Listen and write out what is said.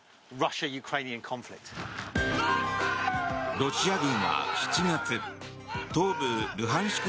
ロシア軍は７月東部ルハンシク